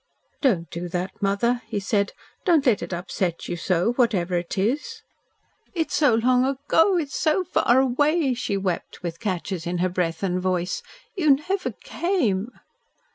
"Don't do that, mother," he said. "Don't let it upset you so, whatever it is." "It's so long ago; it's so far away!" she wept, with catches in her breath and voice. "You never came!"